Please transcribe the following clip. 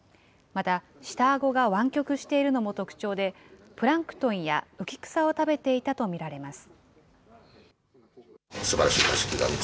また下あごが湾曲しているのも特徴で、プランクトンや浮き草を食べていたと見られます。